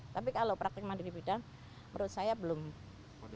tapi kalau praktek mandiri bidan menurut saya berarti tidak ada